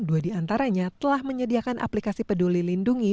dua di antaranya telah menyediakan aplikasi peduli lindungi